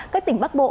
các tỉnh bắc bộ